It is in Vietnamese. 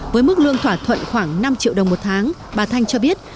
với mức lương thỏa thuận khoảng năm triệu đồng một tháng bà thanh cho biết